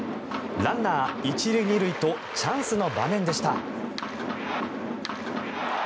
ランナー１塁２塁とチャンスの場面でした。